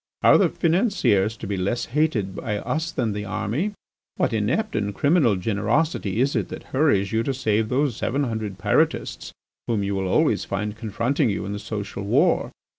Are the financiers to be less hated by us than the army? What inept and criminal generosity is it that hurries you to save those seven hundred Pyrotists whom you will always find confronting you in the social war?